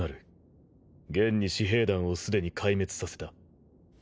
現に私兵団をすでに壊滅させた。